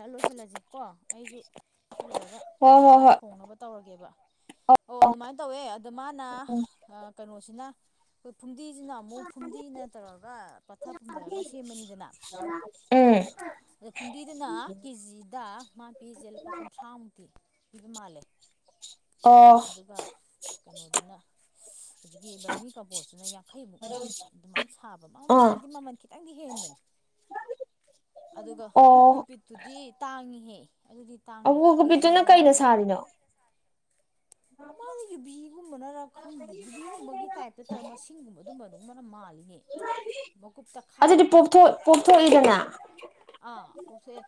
ꯑꯗꯨꯒ ꯂꯣꯏꯁꯤꯜꯂꯁꯤ ꯀꯣ ꯑꯩꯁꯨ ꯁꯤ ꯂꯣꯏꯔꯒ ꯍꯣꯏ ꯍꯣꯏ ꯆꯥꯛ ꯍꯣꯏ ꯊꯣꯡꯅꯕ ꯇꯧꯔꯒꯦꯕ ꯑꯣ ꯑꯗꯨꯃꯥꯏꯅ ꯇꯧꯋꯦ ꯑꯗꯣ ꯃꯥꯅ ꯎꯝ ꯀꯩꯅꯣꯁꯤꯅ ꯑꯩꯈꯣꯏ ꯐꯨꯝꯗꯤꯁꯤꯅ ꯑꯃꯨꯛ ꯐꯨꯝꯗꯤꯅ ꯇꯧꯔꯒ ꯄꯊꯥ ꯄꯨꯝꯊꯔꯒ ꯁꯦꯝꯃꯅꯤꯗꯅ ꯎꯝ ꯑ [inaudible] ꯐꯨꯝꯗꯤꯗꯨꯅ ꯀꯦꯖꯤꯗ ꯃꯥ ꯄꯤꯁꯦ ꯂꯨꯄꯥ ꯀꯨꯟꯊ꯭ꯔꯥꯃꯨꯛꯇꯤ ꯄꯤꯕ ꯃꯥꯜꯂꯦ ꯑꯣ ꯑꯗꯨꯒ ꯀꯩꯅꯣꯗꯨꯅ ꯍꯧꯖꯤꯛꯀꯤ ꯕꯔꯃꯤ ꯀꯝꯄꯣꯁꯇꯨꯅ ꯌꯥꯡꯈꯩꯃꯨꯛ ꯂꯥꯛ ꯑꯗꯨꯃꯥꯏꯅ ꯁꯥꯕ ꯑꯥ ꯃꯥꯅꯗꯤ ꯃꯃꯜ ꯈꯤꯇꯪꯗꯤ ꯍꯦꯟꯕꯅꯤ [inaudible] [unintelligible] ꯑꯗꯨꯒ ꯑꯣ [inaudible] ꯀꯨꯀꯨ ꯄꯠꯇꯨꯗꯤ ꯇꯥꯡꯉꯤꯍꯦ ꯑꯗꯨꯗꯤ ꯇꯥꯡꯉꯤ ꯑꯕꯣ ꯀꯕꯤꯗꯨꯅ ꯀꯦꯖꯤꯗ ꯀꯩꯅ ꯃꯥꯗꯤ ꯁꯥꯔꯤꯅꯣ ꯃꯥꯅ ꯌꯨꯕꯤꯒꯨꯝꯕꯅꯔ ꯈꯪꯗ ꯌꯨꯕꯤꯒꯨꯝꯕꯒꯤ ꯇꯥꯏꯞꯇ ꯇꯧꯔ ꯃꯁꯤꯡꯒꯨꯝꯕꯗꯨꯝꯕꯗꯨꯕꯅ ꯃꯥꯜꯂꯤꯅꯦ ꯃꯀꯨꯞ ꯑꯗꯨꯗꯤ ꯇꯛꯈꯥꯏꯔꯒ ꯄꯣꯊ ꯄꯣꯛꯞꯊꯣꯛꯏꯗꯅ ꯑꯥ ꯄꯣꯞꯊꯣꯛ ꯑꯦ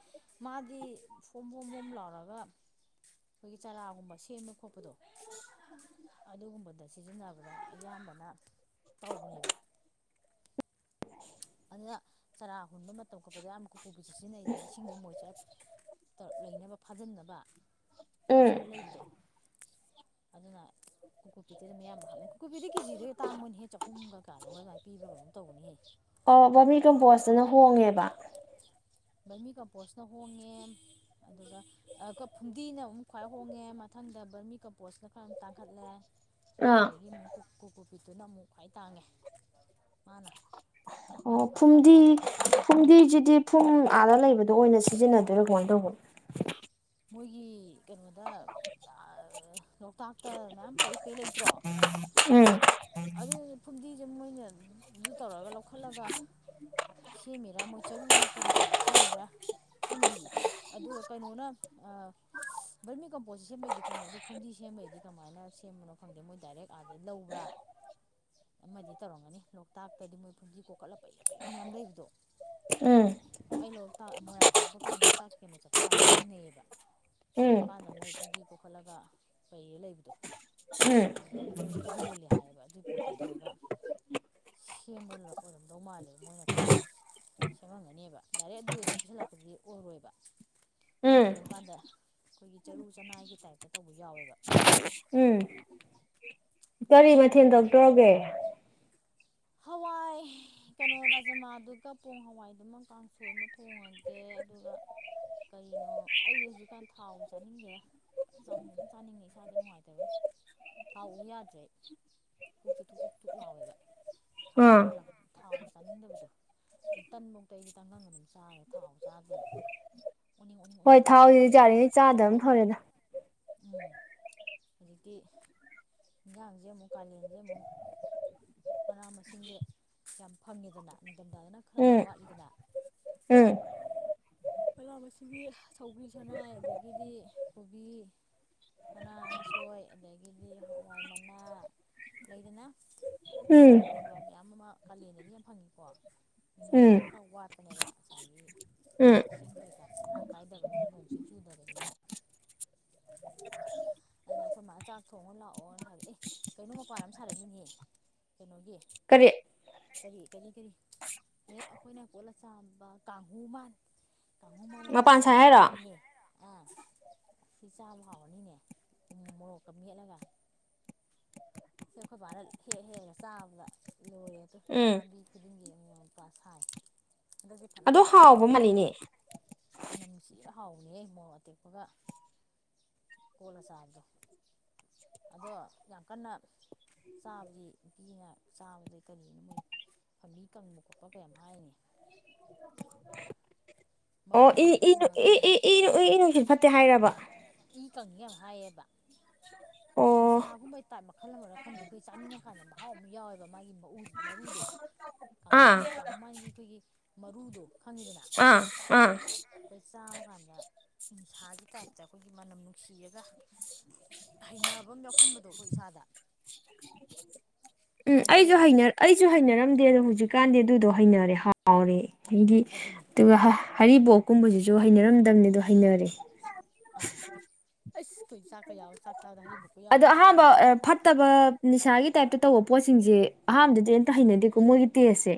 ꯃꯥꯗꯤ ꯐꯣꯝꯝꯕꯣꯝꯝꯕꯣꯝ ꯂꯥꯎꯔꯒ ꯑꯩꯈꯣꯏꯒꯤ ꯆꯥꯔꯥꯒꯨꯝꯕ ꯁꯦꯝꯕ ꯈꯣꯠꯄꯗꯣ ꯎ [inaudible] ꯑꯗꯨꯒꯨꯝꯕꯗ ꯁꯤꯖꯤꯟꯅꯕꯗ ꯑꯌꯥꯝꯕꯅ ꯇꯧꯕꯅꯦꯕ ꯑꯅ ꯆꯔꯥ ꯍꯨꯟꯕ ꯃꯇꯝ ꯀꯣꯠꯄꯗ ꯌꯥꯝ ꯀꯣꯕꯤꯁꯦ ꯁꯤꯖꯤꯟꯅꯩꯗ ꯏꯁꯤꯡꯗꯣ ꯃꯣꯏꯆꯔ ꯇꯧꯞ ꯂꯩꯅꯕ ꯐꯥꯖꯤꯟꯅꯕ ꯎꯝ ꯆꯨꯞꯁꯜꯂ ꯂꯩꯕꯗꯣ ꯑꯗꯨꯅ ꯀꯀꯄꯤꯇꯗ ꯃꯌꯥꯝ ꯍꯥꯞꯅꯩ ꯈꯨꯀꯨꯞꯄꯤꯗꯤ ꯀꯦꯖꯤꯗꯩ ꯇꯥꯡꯕ ꯅꯤ ꯍꯦ ꯆꯍꯨꯝꯒ ꯀꯥꯟꯅꯣꯒ ꯑꯗꯨꯃꯥꯏ ꯄꯤꯕ꯭ꯔꯒꯅꯣꯝ ꯇꯧꯅꯤꯍꯦ ꯑꯣ ꯕꯣꯝꯃꯤ ꯀꯝꯄꯣꯁꯇꯅ ꯍꯣꯡꯉꯦꯕ ꯕꯔꯃꯤ ꯀꯝꯄꯣꯁꯅ ꯍꯣꯡꯉꯦ ꯑꯗꯨꯒ ꯐꯨꯝꯗꯤꯅ ꯑꯃꯨꯛ ꯈ꯭ꯋꯥꯏ ꯍꯣꯡꯉꯦ ꯃꯊꯪ ꯃꯊꯟꯗ ꯕꯔꯃꯤ ꯀꯝꯄꯣꯁꯅ ꯈꯔ ꯇꯥꯡꯈꯠꯂꯦ ꯑꯥ ꯑꯗꯨꯗꯒꯤ ꯑꯃꯨꯛ ꯀꯀꯨꯀꯨꯞꯄꯤꯠꯇꯨꯅ ꯑꯃꯨꯛ ꯈ꯭ꯋꯥꯏ ꯇꯥꯡꯉꯦ ꯃꯥꯅ ꯑꯣ ꯃꯥꯅ ꯈ꯭ꯋꯥꯏ ꯏꯇꯥꯡ ꯐꯨꯝꯗꯤ ꯇꯥꯡꯉꯦ ꯐꯨꯝꯗꯤꯗꯨꯗꯤ ꯐꯨꯝ ꯑꯥꯗ ꯂꯩꯕꯗꯣ ꯑꯣꯏꯅ ꯁꯤꯖꯤꯟꯅꯗꯣꯏꯔꯥ ꯀꯃꯥꯏꯅ ꯇꯧꯕꯅꯣ ꯃꯣꯏꯒꯤ ꯀꯩꯅꯣꯗ ꯂꯣꯛꯇꯥꯛ ꯃꯌꯥꯝ ꯄꯩ ꯄꯩ ꯂꯩꯗꯇ꯭ꯔꯣ ꯎꯝ ꯑꯗꯨ ꯐꯨꯝꯗꯤꯁꯦ ꯃꯣꯏꯅ ꯑꯗꯨ ꯇꯧꯔꯒ ꯂꯧꯈꯠꯂꯒ ꯁꯦꯝꯃꯤꯔꯥ ꯃꯣꯏ ꯆꯔꯨꯅ ꯀꯔꯤ ꯀꯔꯥ ꯁꯦꯝꯃꯤꯔꯥ ꯈꯪꯗꯌꯦ ꯑꯗꯨꯒ ꯀꯩꯅꯣꯅ ꯑꯥ [inaudible] ꯕꯔꯃꯤ ꯀꯝꯄꯣꯁ ꯁꯦꯝꯕꯩꯗꯤ ꯈꯪꯉꯦ ꯑꯗꯣ ꯐꯨꯝꯗꯤ ꯁꯦꯝꯕꯩꯗꯤ ꯀꯃꯥꯏꯅ ꯁꯦꯝꯕꯅꯣ ꯈꯪꯗꯦ ꯃꯣꯏ ꯗꯥꯏꯔꯦꯛ ꯑꯥꯗꯒꯤꯩ ꯂꯧꯕ꯭ꯔꯥ [unintelligible] [inaudible] ꯑꯃꯗꯤ ꯇꯧꯔꯝꯒꯅꯤ ꯂꯣꯛꯇꯥꯛꯇꯗꯤ ꯃꯣꯏ ꯄꯨꯟꯗꯤ ꯀꯣꯛꯈꯠꯂ ꯄꯩꯔ ꯄꯩꯔ ꯃꯌꯥꯝ ꯂꯩꯕꯗꯣ ꯎꯝ ꯑꯩ ꯂꯣꯛꯇꯥꯛ ꯃꯣꯏꯔꯥꯡ ꯆꯠꯄ ꯀꯥꯟꯗ ꯂꯣꯛꯇꯥꯛ ꯀꯦꯝꯕ ꯆꯠꯄ ꯀꯥꯟꯗ ꯊꯦꯡꯅꯩꯌꯦꯕ ꯁꯣꯔ ꯎꯝ ꯃꯄꯥꯟꯗ ꯃꯣꯏ ꯐꯨꯝꯖꯤ ꯀꯣꯛꯈꯠꯂꯒ ꯀꯩꯌꯦ ꯂꯩꯕꯗꯣ ꯎꯝ ꯑꯗꯒꯤ ꯃꯣꯏ ꯌꯣꯜꯂꯦ ꯍꯥꯏꯌꯦꯕ ꯑꯗꯨꯒꯤ ꯄꯣꯠꯇꯣ ꯇꯧꯔꯒ ꯁꯦꯝꯕ ꯑꯣꯏꯔꯝꯗꯧ ꯃꯥꯜꯂꯦ ꯃꯣꯏꯅ ꯈꯔꯗꯤ ꯁꯦꯝꯃꯝꯒꯅꯦꯕ ꯗꯥꯏꯔꯦꯛ ꯑꯗꯨ ꯍꯦꯛꯇ ꯄꯩꯁꯤꯜꯂꯛꯄꯗꯨꯗꯤ ꯑꯣꯏꯔꯣꯏꯕ ꯑꯩꯅ ꯎꯝ ꯌꯦ ꯑꯗꯨꯀꯥꯟꯗ ꯑꯩꯈꯣꯏꯒꯤ ꯆꯔꯨ ꯆꯅꯥꯏꯒꯤ ꯇꯥꯏꯞꯇ ꯇꯧꯕ ꯌꯥꯎꯋꯦꯕ ꯎꯝ ꯀꯔꯤ ꯃꯊꯦꯜ ꯇꯧ ꯑꯗꯨꯅꯤ ꯇ꯭ꯔꯣꯒꯦ ꯍꯋꯥꯏ ꯀꯩꯅꯣ ꯔꯥꯖꯃꯥꯗꯨꯒ ꯄꯣꯡ ꯍꯋꯥꯏꯗꯨꯃ ꯀꯥꯡꯁꯣꯏ ꯑꯃ ꯊꯣꯡꯉꯒꯦ ꯑꯗꯨꯒ ꯀꯩꯅꯣ ꯑꯩꯗꯤ ꯍꯧꯖꯤꯛꯀꯥꯟ ꯊꯥꯎ ꯆꯥꯅꯤꯡꯒꯦꯗ ꯆꯅ ꯑꯗꯨꯝ ꯆꯥꯅꯤꯡꯉꯦ ꯏꯁꯥꯥꯁꯦ ꯅꯨꯡꯉꯥꯏꯇꯕ ꯇꯥꯎꯎ ꯌꯥꯗ꯭ꯔꯦ ꯄꯨꯛꯁꯨ ꯊꯨꯛ ꯇ ꯊꯛ ꯂꯥꯎꯋꯦꯕ ꯊꯥꯎ ꯑꯥ ꯄꯜꯂꯞ ꯊꯥꯎ ꯆꯥꯅꯤꯡꯗꯕꯗꯣ ꯑꯩ ꯇꯟꯃꯧꯛꯇ ꯑꯩꯗꯤ ꯆꯪꯈꯪꯗ ꯑꯗꯨꯝ ꯆꯥꯔꯦ ꯊꯥꯎ ꯆꯥꯗꯦꯕ ꯍꯣꯏ ꯊꯥꯎꯁꯤꯗꯤ ꯌꯥꯔꯤꯉꯩ ꯆꯥꯗꯕ ꯑꯃ ꯊꯔꯦꯗ ꯎꯝ ꯍꯧꯖꯤꯛꯇꯀꯤ ꯏꯟꯖꯥꯡꯁꯦ ꯑꯃꯨꯛ ꯀꯥꯂꯦꯟꯁꯦ ꯑꯃꯨꯛ ꯃꯅꯥ ꯃꯁꯤꯡꯁꯦ ꯌꯥꯝ ꯐꯪꯉꯦꯗꯅ ꯅꯤꯡꯊꯝꯊꯥꯗꯅ ꯈꯔ ꯎꯝ ꯑꯃꯨꯛ ꯋꯥꯠꯂꯤꯗꯅ [unintelligible] ꯎꯝ ꯃꯂꯥ ꯑꯁꯤꯗꯤ ꯁꯧꯕꯔꯤ ꯁꯅꯥꯏ ꯑꯗꯒꯤꯗꯤ ꯀꯣꯕꯤ ꯃꯅꯥ ꯑꯃꯁꯣꯏ ꯑꯗꯒꯤꯗꯤ ꯍꯋꯥꯏ ꯃꯅꯥ ꯂꯩꯗꯅ ꯎꯝ ꯑꯗꯨꯒꯨꯝꯕ ꯃꯌꯥꯝ ꯑꯃ ꯀꯥꯂꯦꯟꯗꯗꯤ ꯌꯥꯝ ꯐꯪꯉꯤꯀꯣ ꯎꯝ ꯅꯤꯡꯊꯝꯊꯥꯅ ꯈꯔ ꯋꯥꯠꯄꯅꯦꯕ ꯉꯁꯥꯏꯒꯤ ꯎꯝ ꯏꯁꯤꯡ ꯀꯔꯤꯀꯥ ꯃꯔꯥꯡ ꯀꯥꯏꯗꯕꯅꯤꯅ ꯅꯣꯡ ꯆꯤꯡ ꯆꯨꯗꯕꯅꯤꯅ ꯑꯗꯨꯅ ꯑꯩꯈꯣꯏ ꯃꯥꯅ ꯆꯥꯛ ꯊꯣꯡꯉ ꯂꯥꯛꯑꯣꯅ ꯍꯥꯏꯕꯗꯤ ꯑꯦ ꯀꯩꯅꯣ ꯃꯄꯥꯟ ꯑꯃ ꯁꯥꯔꯛꯃꯤꯅꯦꯍ ꯀꯩꯅꯣꯒꯤ ꯀꯔꯤ ꯀꯔꯤ ꯀꯔꯤ ꯀꯔꯤ ꯍꯦꯛ ꯑꯩꯈꯣꯏꯅ ꯄꯣꯠꯂ ꯆꯥꯝꯕ ꯀꯥꯡꯍꯨ ꯃꯥꯥꯟ ꯇꯥꯈꯨ ꯃꯣꯏ ꯃꯄꯥꯏ ꯃꯄꯥꯟ ꯑꯅꯤ ꯁꯥꯏ ꯍꯥꯏꯔꯣ ꯁꯥꯔꯤꯅꯤꯍꯦ ꯑꯥ ꯁꯤ ꯆꯥꯕ ꯍꯥꯎꯔꯅꯤꯅꯦ ꯎꯣ ꯀꯃꯤ ꯍ ꯂꯥꯛꯒ ꯁꯦ ꯑꯩꯈꯣꯏ ꯚꯥꯔꯠ ꯍꯦꯛ ꯍꯦꯛꯒ ꯆꯥꯕꯗ ꯂꯣꯏꯔꯦ ꯑꯗꯨ ꯎꯝ ꯄꯥꯝꯕꯤ ꯈꯨꯗꯤꯡꯒꯤꯕ ꯄꯥ ꯁꯥꯏ ꯍꯟꯗꯛꯗꯤ ꯐꯅ ꯑꯗꯣ ꯑꯃ ꯍꯥꯎꯕ ꯆꯥꯕꯁ ꯃꯥꯜꯂꯤꯅꯦ ꯃꯅꯝ ꯅꯨꯡꯁꯤꯔ ꯍꯥꯎꯏꯍꯦ ꯃꯣꯔꯣꯛ ꯑꯇꯦꯛꯄꯒ ꯀꯣꯜꯂ ꯆꯥꯕꯗꯣ ꯑꯗꯣ ꯌꯥꯝ ꯀꯟꯅ ꯆꯥꯕꯗꯤ ꯅꯨꯄꯤꯅ ꯆꯥꯕꯗꯩ ꯀꯔꯤꯅꯣ ꯃꯣꯏ ꯐꯥꯝꯕꯤ ꯀꯪꯕ ꯈꯣꯠꯄ ꯀꯩꯝ ꯍꯥꯏꯅꯤ ꯑꯣ ꯏ ꯃꯔꯨꯗꯣ ꯃꯥꯏ ꯏꯨ ꯃꯔꯨꯗꯣ ꯏ ꯏꯅꯨ ꯏ ꯏ ꯅꯨꯡꯁꯤꯠ ꯐꯠꯇꯦ ꯍꯥꯏꯔꯕ ꯃꯤ ꯀꯪꯉ ꯌꯥꯝ ꯍꯥꯏꯌꯦꯕ ꯑꯣ ꯅꯤꯁꯥꯒꯨꯝꯕꯩ ꯇꯥꯏꯞ ꯃꯈꯜ ꯑꯃꯔ ꯈꯪꯗꯦ ꯑꯩꯈꯣꯏ ꯆꯥꯅꯤꯡꯉꯀꯥꯟꯗ ꯃꯍꯥꯎ ꯑꯃ ꯌꯥꯎꯋꯦꯕ ꯃꯥꯒꯤꯎ ꯃꯔꯨꯗꯣ ꯀꯥꯡꯨ ꯑꯥ ꯀꯥꯡꯨ ꯃꯥꯒꯤ ꯑꯩꯈꯣꯏꯒꯤ ꯃꯔꯨꯗꯣ ꯈꯪꯉꯤꯗꯅ ꯑꯥ ꯑꯥ ꯑꯩꯈꯣꯏ ꯆꯥꯕ ꯀꯥꯟꯗ ꯍꯤꯡꯁꯥꯒꯤ ꯇꯥꯏꯞꯇ ꯑꯩꯈꯣꯏꯒꯤ ꯃꯅꯝ ꯅꯨꯡꯁꯤꯔꯒ ꯍꯩꯅꯕ ꯑꯃ ꯌꯥꯎꯁꯟꯕꯗꯣ ꯑꯩꯈꯣꯏ ꯏꯁꯥꯗ ꯎꯝ ꯑꯗꯨꯃꯥꯏꯅ ꯑꯩꯁꯨ ꯇꯧꯋꯦꯕ ꯑꯩꯁꯨ ꯍꯩꯅꯔꯝꯗꯦ ꯑꯗꯣ ꯍꯧꯖꯤꯛꯀꯥꯟꯗꯤ ꯑꯗꯨꯗꯣ ꯍꯩꯅꯔꯦ ꯍꯥꯎꯔꯦ ꯍꯥꯏꯗꯤ ꯑꯗꯨꯅꯤ ꯑꯗꯨꯒ ꯍꯔꯤꯕꯣꯛꯀꯨꯝꯕꯁꯤꯁꯨ ꯍꯩꯅꯔꯝꯗꯕꯅꯤꯗꯣ ꯍꯩꯅꯔꯦ ꯑꯥ ꯆꯀ ꯌꯥꯎ ꯆ ꯑꯗꯣ ꯑꯍꯥꯟꯕ ꯐꯠꯇꯕ ꯅꯤꯁꯥꯒꯤ ꯇꯥꯏꯞꯇ ꯇꯧꯕ ꯄꯣꯠꯁꯤꯡꯁꯦ ꯑꯍꯥꯟꯕꯗꯗꯤ ꯑꯝꯇ ꯍꯩꯅꯗꯦꯀꯣ ꯃꯣꯏꯒꯤ ꯇꯦꯁꯁꯦ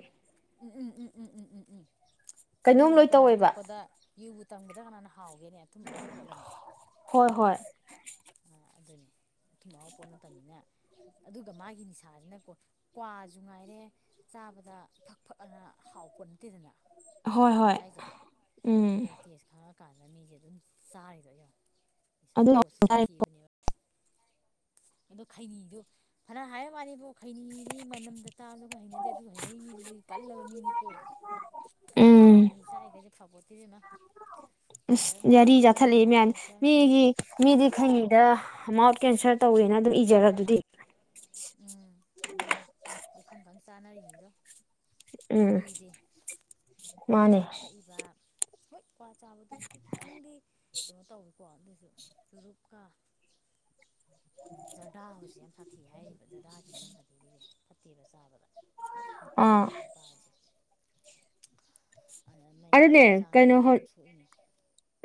ꯎꯝ ꯎꯝ ꯎꯝ ꯎꯝ ꯎꯝ ꯎꯝ ꯎꯝ ꯀꯩꯅꯣꯝ ꯌꯨꯕꯨ ꯂꯣꯏ ꯀꯅꯥ ꯇꯧꯋꯦꯕ ꯊꯛꯄꯗ ꯌꯨꯕꯨ ꯇꯝꯕꯗ ꯀꯅꯥꯅ ꯍꯥꯎꯒꯦꯅꯦ ꯑꯗꯨꯊꯨꯝ ꯃꯍꯥꯎ ꯄꯣꯠꯂꯅꯦ ꯍꯣꯏ ꯍꯣꯏ ꯑꯗꯨꯅꯤ ꯏꯤ ꯃꯍꯎ ꯄꯣꯠ ꯅꯠꯇꯕꯅꯤꯅ ꯑꯗꯨꯒ ꯃꯥꯒꯤ ꯅꯤꯁꯥꯁꯤꯅꯀꯣ ꯀ꯭ꯋꯥꯁꯨ ꯉꯥꯏꯔꯦ ꯆꯥꯕꯗ ꯐꯅ ꯍꯥꯎꯄꯣꯠ ꯅꯠꯇꯦꯗꯅ ꯍꯣꯏ ꯍꯣꯏ ꯀ꯭ꯆꯥꯏꯁꯦ ꯎꯝ ꯑꯗꯨ ꯇꯦꯁ ꯈꯔ ꯀꯥꯟꯗ ꯃꯤꯁꯦ ꯑꯗꯨꯝ ꯆꯥꯔꯤꯗꯣ ꯌꯦꯡꯉ ꯑꯗꯨ ꯏꯁꯥꯒꯤ ꯄꯣꯠꯁꯦ ꯁꯥꯊꯤ ꯑꯗꯣ ꯈꯩꯅꯤꯗꯣ ꯐꯅ ꯍꯥꯏꯔ ꯃꯥꯅꯤꯕ ꯈꯩꯅꯤꯗꯤ ꯃꯅꯝꯗ ꯇꯥꯕꯗ ꯈꯔ ꯍꯩꯅꯗꯦ ꯑꯗꯨ ꯍꯩꯅꯔꯤ ꯃꯤ ꯑꯗꯨꯗꯤ ꯀꯜꯂꯕ ꯃꯤꯅꯤꯀꯣ ꯎꯝ ꯑꯩꯩꯅꯤ ꯆꯥꯏꯏꯒꯁꯦ ꯐꯄꯣꯠꯇꯤꯁꯤꯅ ꯌꯥꯔꯤ ꯆꯠꯊꯠꯂꯛꯦ ꯃ ꯀꯦꯟꯁꯔ ꯎꯝ ꯃꯤꯒꯤ ꯃꯤꯗꯤ ꯈꯩꯉꯗ ꯑꯃ ꯀꯦꯟꯁꯦꯜ ꯇꯧꯋꯦꯅ ꯑꯗꯨꯝ ꯏꯖꯔ ꯑꯗꯨꯗꯤ ꯎꯝ ꯑꯗꯨꯅꯦꯈꯟ ꯈꯪ ꯆꯥꯅꯔꯤꯉꯤꯗꯣ ꯎꯝ ꯀꯤꯗꯦ ꯑ ꯃꯥꯅꯦ ꯆꯨꯔꯨꯞ ꯊꯛꯏꯕ ꯍꯣꯏ ꯀ꯭ꯋꯥ ꯆꯥꯕꯗꯨꯃꯛꯇꯤ ꯈꯤꯇꯪꯗꯤ ꯀꯩꯅꯣ ꯇꯧꯋ ꯄꯣꯠ ꯑꯗꯨꯁꯨ ꯆꯨꯔꯨꯞꯀ ꯖꯔꯗꯥ ꯍꯥꯏꯁꯦ ꯌꯥꯝ ꯁꯥꯊꯤ ꯖꯗꯥꯁꯤꯅꯦꯅ ꯐꯗꯦꯒꯤꯁꯦ ꯐꯠꯇꯦꯕ ꯆꯥꯕꯗ ꯑꯥ ꯅꯨꯄꯤꯗꯨ ꯅꯨꯄꯥꯔꯤꯁꯦ ꯑꯗꯨꯅꯦ ꯍꯛꯆꯥꯡꯒꯤ ꯀꯩꯅꯣ ꯀꯟꯅ ꯁꯣꯛꯏꯅꯤ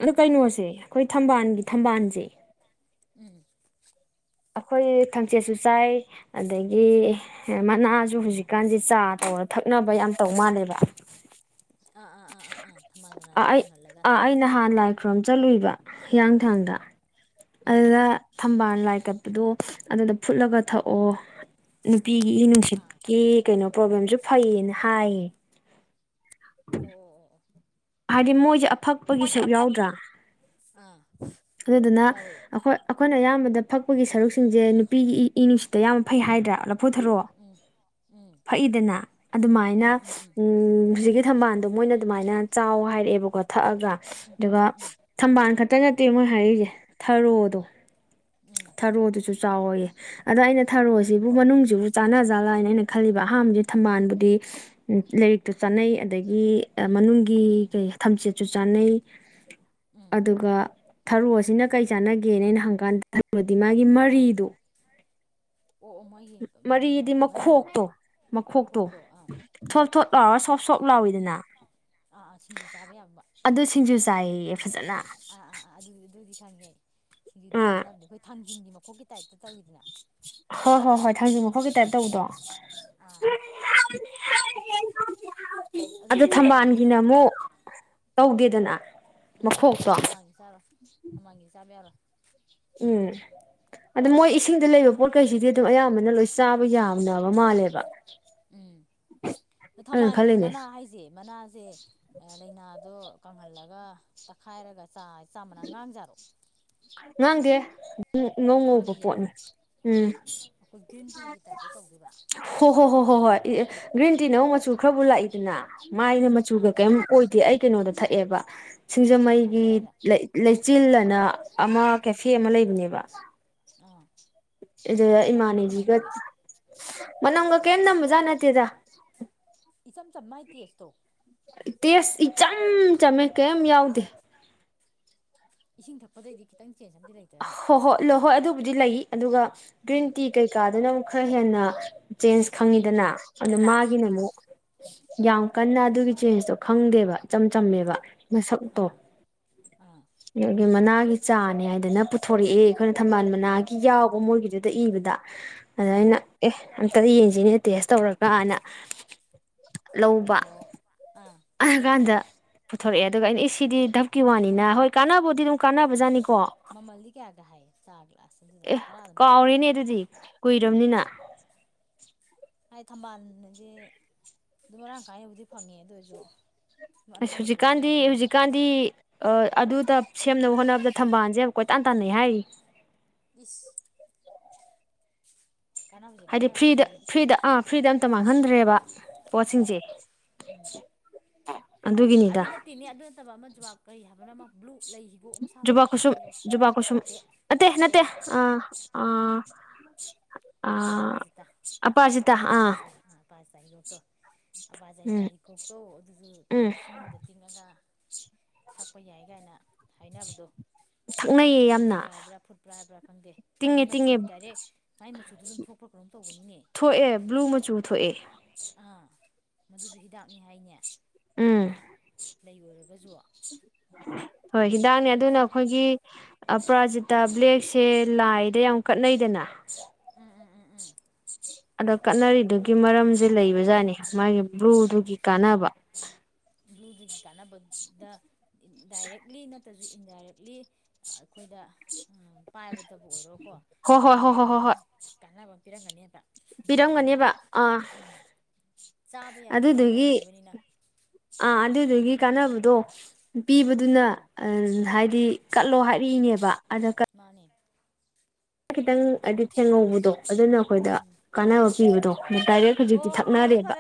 ꯑꯗꯨ ꯀꯩꯅꯣꯁꯦ ꯑꯩꯈꯣꯏ ꯊꯝꯕꯥꯜꯒꯤ ꯊꯝꯕꯥꯜꯁꯦ ꯎꯝ ꯑꯩꯈꯣꯏ ꯊꯥꯡꯆꯦꯠꯁꯨ ꯆꯥꯏ ꯑꯗꯒꯤ ꯃꯅꯥꯁꯨ ꯍꯧꯖꯤꯛꯀꯥꯟꯁꯦ ꯆꯥ ꯇꯧ ꯑ ꯊꯛꯅꯕ ꯌꯥꯝ ꯇꯧ ꯃꯥꯜꯂꯦꯕ ꯑꯥ ꯑꯥ ꯑꯥ ꯑꯥ ꯑꯥ ꯊꯝꯕꯥꯜ ꯃꯅꯥꯗꯣ ꯀꯪꯍꯜꯂꯒ ꯑꯩꯥ ꯑꯩ ꯅꯍꯥꯟ ꯂꯥꯏ ꯈꯨ꯭ꯔꯣꯝ ꯆꯠꯂꯨꯏꯕ ꯍꯤꯌꯥꯡꯊꯥꯡꯗ ꯎꯝ ꯎꯝ ꯑꯗꯨꯗ ꯊꯝꯕꯥꯜ ꯂꯥꯏ ꯀꯠꯄꯗꯣ ꯑꯗꯨꯗ ꯐꯨꯠꯂꯒ ꯊꯛꯑꯣ ꯅꯨꯄꯤꯒꯤ ꯏ ꯑꯥ ꯅꯨꯡꯁꯤꯠꯀꯤ ꯀꯩꯅꯣ ꯄ꯭ꯔꯣꯕ꯭ꯂꯦꯝꯁꯨ ꯐꯩꯌꯦꯅ ꯍꯥꯏꯌꯦ ꯑꯣ ꯎꯝ ꯑꯣ ꯑꯣ ꯍꯥꯏꯗꯤ ꯃꯣꯏꯁꯦ ꯐꯛꯄꯒꯤ ꯁꯔꯨꯛ ꯌꯥꯎꯗ꯭ꯔꯥ ꯑꯣ ꯑꯥ ꯑꯗꯨꯗꯨꯅ ꯌꯥꯎꯋꯦ ꯑꯩꯈꯣꯏ ꯑꯩꯈꯣꯏꯅ ꯑꯌꯥꯝꯕꯗ ꯐꯛꯄꯒꯤ ꯁꯔꯨꯛꯁꯤꯡꯁꯦ ꯅꯨꯄꯤꯒꯤ ꯏ ꯏ ꯅꯨꯡꯁꯤꯠꯇ ꯌꯥꯝꯅ ꯐꯩ ꯍꯥꯏꯗ꯭ꯔꯥꯞ ꯐꯨꯊꯔꯣ ꯎꯝ ꯎꯝ ꯐꯛꯏꯗꯅ ꯑꯗꯨꯃꯥꯏꯅ ꯎꯝ ꯎꯝ ꯎꯝ ꯍꯧꯖꯤꯛꯀꯤ ꯊꯝꯕꯥꯜ ꯃꯣꯏꯅ ꯍꯥꯏꯦ ꯎꯝ ꯎꯝ ꯎꯝ ꯎꯝ ꯎꯝ ꯈꯛꯇ ꯅꯠꯇꯦ ꯃꯣꯏ ꯍꯥꯏꯔꯤꯁꯦ ꯊꯔꯣꯗꯣ ꯊꯔꯣꯗꯨꯁꯨ ꯆꯥꯎꯋꯌꯦ ꯑꯗꯣ ꯑꯩꯅ ꯎꯝ ꯎꯝ ꯊꯥꯔꯛꯁꯤꯕꯨ ꯃꯅꯨꯡꯁꯤꯕꯨ ꯆꯥꯅ ꯖꯥꯠꯂ ꯍꯥꯏꯅ ꯑꯩꯅ ꯈꯜꯂꯤꯕ ꯑꯍꯝꯁꯦ ꯊꯝꯕꯥꯜꯕꯨꯗꯤ ꯂꯥꯏꯔꯤꯛꯇꯨ ꯆꯥꯅꯩ ꯑꯗꯒꯤ ꯃꯅꯨꯡ ꯒꯤ ꯎꯝ ꯀꯩ ꯊꯝꯆꯦꯠꯁꯨ ꯆꯥꯅꯩ ꯎꯝ ꯑꯗꯨꯒ ꯊꯔꯣ ꯑꯁꯤꯅ ꯀꯔꯤ ꯆꯥꯟꯅꯒꯦꯅ ꯑꯩꯅ ꯍꯪꯀꯥꯟꯗ ꯊꯔꯨꯔꯗꯤ ꯃꯥꯒꯤ ꯑꯥ ꯃꯔꯤꯗꯣ ꯑꯣ ꯑꯣ ꯃꯣꯏꯒꯤ ꯃꯔꯤꯗꯤ ꯃꯔꯤꯗꯣ ꯃꯈꯣꯛꯇꯣ ꯃꯈꯣꯛꯇꯣ ꯑꯥ ꯊꯣꯠ ꯎꯝ ꯊꯣꯠ ꯂꯥꯎꯔ ꯁꯣꯞ ꯁꯣꯞ ꯂꯥꯎꯏꯤꯗꯅ ꯑꯥ ꯑꯥ ꯁꯤꯡꯖꯨ ꯆꯥꯕ ꯌꯥꯕ ꯁꯤꯡꯖꯨ ꯆꯥꯏꯌꯦ ꯐꯖꯅ ꯑꯥ ꯑꯥ ꯑ ꯑꯗꯨ ꯑꯗꯨꯗꯤ ꯈꯪꯉꯦ ꯁꯤꯡꯗꯨꯗꯤ ꯑꯥ ꯆꯥꯟꯅꯕꯅꯦ ꯑꯩꯈꯣꯏ ꯊꯥꯡꯖꯤꯡꯒꯤ ꯃꯈꯣꯛꯀꯤ ꯇꯥꯏꯞꯇ ꯇꯧꯋꯤꯗꯅ ꯍꯣꯏ ꯍꯣꯏ ꯍꯣꯏ ꯊꯥꯡꯖꯩ ꯃꯐꯝꯒꯤ ꯇꯥꯏꯞ ꯇꯧꯕꯗꯣ ꯑꯥ ꯑꯗꯨ ꯑꯗꯨꯗꯤ ꯆꯥꯅꯕꯅꯦ ꯑꯁ ꯊꯝꯕꯥꯜꯒꯤꯅ ꯑꯃꯨꯛ ꯇꯧꯗꯦ ꯎꯝ ꯎꯝ ꯎꯝ ꯍꯉꯥꯡꯒꯤ ꯆꯥꯔꯣ ꯍꯃꯥꯡꯒꯤ ꯆꯥꯕ ꯌꯥꯎꯔꯣꯏ ꯎꯝ ꯑꯗ ꯃꯣꯏ ꯏꯁꯤꯡꯗ ꯂꯩꯕ ꯄꯣꯠꯀꯩꯁꯤꯗꯤ ꯑꯗꯨꯝ ꯑꯌꯥꯝꯕꯅ ꯂꯣꯏ ꯆꯥꯕ ꯌꯥꯅꯕ ꯃꯥꯜꯂꯦꯕ ꯎꯝ ꯑ ꯑꯩꯅ ꯊꯝꯕꯥꯜꯒꯤ ꯈꯜꯂꯤꯅꯦ ꯃꯅꯥ ꯍꯥꯏꯁꯦ ꯃꯅꯥꯁꯦ ꯂꯥꯏꯅꯥꯗꯣ ꯀꯪꯍꯜꯂꯒ ꯇꯛꯈꯥꯏꯔꯒ ꯆ ꯆꯥꯃꯅꯥ ꯉꯥꯡꯖꯥꯔꯣ ꯉꯥꯡꯗꯦꯝ ꯉꯧ ꯉꯧꯕ ꯉꯥꯡꯗꯤꯌꯦ ꯄꯣꯠꯅꯤ ꯎꯝ ꯑꯩꯈꯣꯏ ꯒ꯭ꯔꯤꯟ ꯇꯤꯒꯤ ꯇꯥꯏꯞꯇ ꯇꯧꯗꯣꯏꯕ ꯍꯣ ꯍꯣ ꯍꯣ ꯍꯣ ꯍꯣꯏ꯭ꯔꯤꯟ ꯁꯠꯇꯤ ꯅꯪ ꯃꯆꯨ ꯈꯔꯕꯨ ꯂꯥꯛꯏꯗꯅ ꯃꯥꯏꯅ ꯃꯆꯨꯒ ꯑꯥ ꯀꯔꯤꯝ ꯑꯣꯏꯗꯦ ꯑꯩ ꯀꯩꯅꯣꯗ ꯊꯛꯑꯦꯕ ꯁꯤꯡꯖꯃꯩꯒꯤ ꯀꯗꯥꯏꯗ ꯂꯩꯆꯤꯜ ꯑꯅ ꯑꯃ ꯀꯦꯐꯦ ꯑꯃ ꯂꯩꯕꯅꯦꯕ ꯑꯥ ꯑꯗꯨꯗ ꯃꯅꯝꯗꯤ ꯀꯃꯥꯏꯅ ꯏꯃꯥꯅꯦꯕꯤꯒ ꯇꯧꯏ ꯃꯅꯝꯒ ꯀꯔꯤꯝ ꯅꯝꯕꯖꯥꯠ ꯅꯠꯇꯦꯗ ꯃꯥꯥꯏ ꯑ ꯇꯣ ꯇꯦꯁ ꯏꯆꯝ ꯆꯝꯃꯦ ꯀꯩ ꯌꯥꯎꯗꯦ ꯏꯁꯤꯡ ꯊꯛꯄꯗꯩꯗꯤ ꯈꯤꯇꯪ ꯆꯦꯟꯖ ꯑꯃꯗꯤꯝ ꯂꯩꯇ꯭ꯔꯅꯦ ꯕꯨꯗꯤ ꯂꯩ ꯑꯗꯨꯒ ꯒ꯭ꯔꯤꯟ ꯎꯝ ꯇꯤ ꯀꯩꯀꯥꯗꯨꯅ ꯑꯃꯨꯛ ꯈꯔ ꯍꯦꯟꯅ ꯆꯦꯟꯖ ꯎꯝ ꯈꯪꯉꯤꯗꯅ ꯑꯗ ꯃꯥꯒꯤꯅ ꯑꯥ ꯑꯃꯨꯛ ꯌꯥꯝ ꯀꯟꯅ ꯑꯗꯨꯒꯤ ꯆꯦꯟꯁꯇꯣ ꯈꯪꯗꯦꯕ ꯏꯆꯝ ꯆꯝꯃꯦꯕ ꯃꯁꯛꯇꯣ ꯑꯥ ꯑꯥ ꯑꯗꯨꯗꯒꯤ ꯃꯅꯥꯒꯤ ꯆꯥꯅꯤ ꯍꯥꯏꯗꯅ ꯄꯨꯊꯣꯔꯛꯑꯦ ꯑꯩꯈꯣꯏꯅ ꯊꯝꯕꯥꯜ ꯑꯥ ꯃꯅꯥꯒꯤ ꯌꯥꯎꯕ ꯃꯣꯏꯒꯤꯗꯨꯗ ꯏꯕꯗ ꯑꯗꯨ ꯑꯥ ꯑꯩꯅ ꯑꯦ ꯑꯝꯇ ꯌꯦꯟꯁꯤꯅ ꯇꯦꯁ ꯇꯧꯔꯀꯥꯟꯅ ꯂꯧꯕ ꯑꯣ ꯑꯥ ꯑ ꯀꯥꯟꯗ ꯄꯨꯊꯣꯔꯛꯑꯦ ꯑꯗꯨꯒ ꯑꯩꯅ ꯁꯤꯗꯤ ꯙꯞꯀꯤ ꯋꯥꯅꯤꯅ ꯍꯣꯏ ꯀꯥꯟꯅꯕꯕꯨꯗꯤ ꯑꯗꯨꯝ ꯀꯥꯟꯅꯕꯖꯥꯅꯤꯀꯣ ꯃꯃꯜꯗꯤ ꯀꯌꯥꯒ ꯍꯥꯏ ꯆꯥ ꯒ꯭ꯂꯥꯁ ꯑꯗꯨꯗ ꯑꯦ ꯇꯔꯥ ꯑꯗꯨꯝ ꯄꯤꯕ꯭ꯔꯣ ꯀꯥꯎꯔꯦꯅꯦ ꯑꯗꯨꯗꯤ ꯀꯨꯏꯔꯕꯅꯤꯅ ꯍꯥꯏ ꯊꯝꯕꯥꯜꯁꯦ ꯑꯗꯨꯝ ꯃꯔꯥꯡ ꯀꯥꯏꯅꯕꯨꯗꯤ ꯐꯪꯉꯦ ꯑꯗꯨ ꯑꯣꯏꯔꯁꯨ ꯁꯨꯝ ꯑ ꯑꯅꯧꯕ ꯄꯣꯠ ꯑꯃ ꯍꯧꯖꯤꯛꯀꯥꯟꯗꯤ ꯑꯣꯏꯕꯅꯤꯅ ꯍꯧꯖꯤꯛꯀꯥꯟꯗꯤ ꯑꯗꯨꯗ ꯁꯦꯝꯅꯕ ꯍꯣꯠꯅꯕꯗ ꯊꯝꯕꯥꯜꯁꯦ ꯀꯣꯏꯇꯥꯟ ꯇꯥꯟꯅꯩ ꯍꯥꯏꯔꯤ ꯁ ꯍꯥꯏꯗꯤ ꯐ꯭ꯔꯤꯗ ꯈꯪꯅꯔꯛꯄꯗꯒꯤ ꯐ꯭ꯔꯤꯗ ꯑꯥ ꯐ꯭ꯔꯤꯗ ꯑꯝꯇ ꯃꯥꯡꯍꯟꯗ꯭ꯔꯦꯕ ꯑ ꯄꯣꯠꯁꯤꯡꯁꯦ ꯎꯝ ꯑꯗꯨ ꯑꯗꯨꯒꯤꯅꯤꯗ ꯅꯠꯇꯦꯅꯤ ꯑꯗꯨ ꯅꯠꯇꯕ ꯑꯃ ꯋꯥ ꯀꯔꯤ ꯍꯥꯏꯕꯅ ꯭ꯂꯨ ꯖꯨꯕꯥ ꯀꯨꯁꯨꯝ ꯖꯨꯕꯥ ꯀꯁꯨꯝ ꯅꯠꯇꯦ ꯅꯠꯇꯦ ꯅꯠꯇꯦ ꯑ ꯑ ꯑꯄꯔꯥꯖꯤꯇꯥ ꯑꯄꯥꯖꯤꯇꯥ ꯑꯥ ꯑꯄꯔꯖꯤꯇꯥ ꯑꯄꯔꯇ ꯏꯒꯠꯇꯣ ꯑꯕꯥꯖꯥꯏꯇꯥ ꯎꯝ ꯍꯤꯀꯣꯛꯇꯧ ꯑꯗꯨꯁꯨ ꯎꯝ ꯏꯁꯤꯡꯗ ꯇꯤꯡꯉꯒ ꯊꯛꯄ ꯌꯥꯏ ꯀꯥꯏꯅ ꯍꯥꯏꯅꯕꯗꯣ ꯊꯛꯅꯩꯌꯦ ꯏꯤꯡꯕ ꯌꯥꯝꯅ ꯇꯤꯡꯕ ꯍꯥꯏꯕ꯭ꯔꯥ ꯐꯨꯠꯄ꯭ꯔꯥ ꯍꯥꯏꯕ꯭ꯔꯥ ꯈꯪꯗꯦ ꯃꯥꯥꯏꯗꯤ ꯇꯤꯡꯉꯦ ꯃꯆꯨ ꯇꯤꯡꯉꯦ ꯇꯔꯦ ꯃꯥꯏ ꯃ ꯊꯣꯛꯑꯦ ꯕ꯭ꯂꯨ ꯃꯆꯨ ꯊꯣꯛꯑꯦ ꯑꯥ ꯃꯗꯨꯁꯨ ꯍꯤꯗꯥꯛꯅꯤ ꯍꯥꯏꯅꯦ ꯎꯝ ꯂꯩ ꯑꯣꯏꯔꯒꯁꯨ ꯍꯣꯏ ꯍꯤꯗꯥꯛꯅꯦ ꯑꯗꯨꯅ ꯑꯩꯈꯣꯏꯒꯤ ꯄ꯭ꯔꯥꯖꯤꯇꯥ ꯕ꯭ꯂꯦꯛꯁꯦ ꯂꯥꯏꯗ ꯌꯥꯝ ꯀꯠꯅꯩꯗꯅ ꯎꯝ ꯎꯝ ꯎꯝ ꯎꯝ ꯑꯗ ꯀꯠꯅꯔꯤꯗꯨꯒꯤ ꯃꯔꯝꯁꯦ ꯂꯩꯕ ꯖꯥꯠꯅꯤ ꯃꯥꯒꯤ ꯕ꯭ꯂꯨꯗꯨꯒꯤ ꯀꯥꯟꯅꯕ ꯎ ꯑꯩꯈꯣꯏꯒꯤ ꯀꯥꯟꯅꯕꯗ ꯗꯥꯏꯔꯦꯛꯂꯤ ꯅꯠꯇ꯭ꯔꯁꯨ ꯏꯟꯗꯥꯏꯔꯦꯛꯂꯤ ꯑꯩꯈꯣꯏꯗ ꯎ ꯄꯥꯏꯕꯇꯕꯨ ꯑꯣꯏꯔꯣ ꯍꯣ ꯍꯣꯏ ꯍꯣ ꯍꯣ ꯍꯣ ꯍꯣꯏ ꯄꯔꯪꯒꯅꯤ ꯍꯥꯏꯕ ꯂꯩꯗ ꯄꯤꯔꯝꯒꯅꯦꯕ ꯃꯥꯅ ꯑꯥ ꯎꯝ ꯆꯥꯕ ꯌꯥꯕ ꯄꯣꯠ ꯑꯃ ꯑꯗꯨꯗꯨꯒꯤ ꯑꯣꯏꯔꯛꯏꯕꯅꯤꯅ ꯑꯥ ꯑꯗꯨꯗꯨꯒꯤ ꯀꯥꯟꯅꯕꯗꯣ ꯄꯤꯕꯗꯨꯅ ꯎꯝ ꯑ ꯍꯥꯏ ꯗꯤ ꯀꯠꯂꯣ ꯍꯥꯏꯔꯤꯛꯏꯅꯦꯕ ꯃꯥꯅꯤ ꯈꯤꯇꯪ ꯍꯥꯏꯗꯤ ꯊꯦꯡꯍꯧꯕꯗꯣ ꯑꯗꯨꯅ ꯑꯩꯈꯣꯏꯗ ꯎꯝ ꯀꯥꯟꯅꯕ ꯄꯤꯕꯗꯣ ꯇꯥꯏꯔꯦ ꯍꯧꯖꯤꯛꯇꯤ ꯊꯛꯅꯔꯦꯕ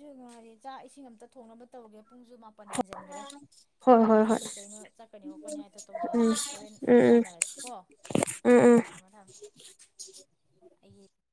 ꯁꯨ ꯅꯨꯡꯉꯥꯏꯔꯦ ꯆꯥꯛ ꯏꯁꯤꯡ ꯑꯝꯇ ꯊꯣꯡꯅꯕ ꯇꯧꯔꯒꯦ ꯄꯨꯡꯁꯨ ꯃꯥꯄꯟ ꯍꯦꯟꯖꯟꯈ꯭ꯔꯦ ꯍꯣꯏ ꯍꯣꯏ ꯅꯪꯁꯨ ꯍꯣꯏ ꯀꯩ ꯀꯩꯅꯣ ꯆꯠꯀꯅꯤ ꯈꯣꯠꯀꯅꯤ ꯍꯥꯏꯗꯣ ꯇꯧꯖꯔꯣ ꯎꯝ ꯍꯣꯔꯦꯟ ꯑꯃꯨꯛ ꯎꯝ ꯎꯝ ꯁꯥꯟꯅꯔꯁꯤꯀꯣ ꯎꯝ ꯎꯝ ꯑꯩ